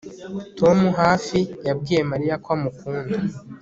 Tom hafi yabwiye Mariya ko amukunda